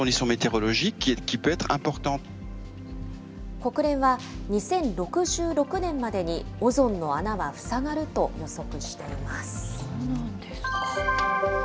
国連は、２０６６年までにオゾンの穴は塞がると予測しています。